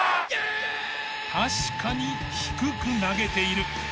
確かに低く投げている。